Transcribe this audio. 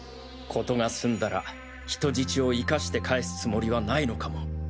事が済んだら人質を生かして帰すつもりはないのかも。